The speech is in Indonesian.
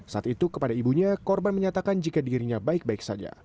saat itu kepada ibunya korban menyatakan jika dirinya baik baik saja